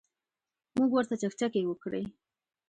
موږ ورته چکچکې وکړې.